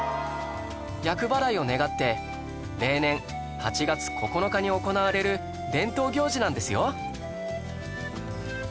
厄払いを願って例年８月９日に行われる伝統行事なんですよ